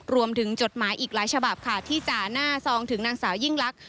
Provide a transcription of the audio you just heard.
จดหมายอีกหลายฉบับค่ะที่จ่าหน้าซองถึงนางสาวยิ่งลักษ